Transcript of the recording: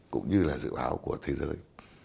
cũng như là dự báo của thế giới